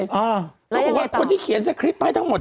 เขาบอกว่าคนที่เขียนสคริปต์ให้ทั้งหมด